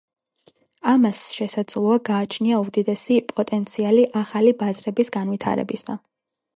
ამას შესაძლოა გააჩნია უდიდესი პოტენციალი ახალი ბაზრების განვითარებისა.